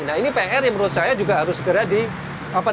nah ini pr yang menurut saya juga harus segera diselesaikan